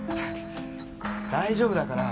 大丈夫だから。